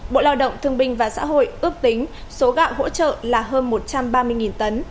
bộ lao động thương binh và xã hội ước tính số gạo hỗ trợ là hơn một trăm ba mươi tấn